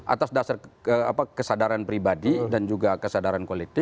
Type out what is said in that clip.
atas dasar kesadaran pribadi dan juga kesadaran kolektif